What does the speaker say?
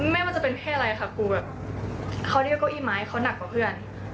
ไม่ว่าจะเป็นเพศอะไรค่ะปูแบบเขาเรียกว่าเก้าอี้ไม้เขาหนักกว่าเพื่อน